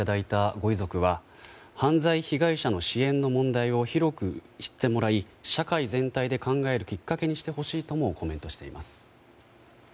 ご遺族は犯罪被害者の支援の問題を広く知ってもらい社会全体で考えるきっかけにしてほしいともコメントしています。